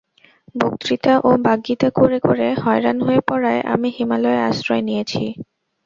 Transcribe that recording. বক্তৃতা ও বাগ্মিতা করে করে হয়রান হয়ে পড়ায় আমি হিমালয়ে আশ্রয় নিয়েছি।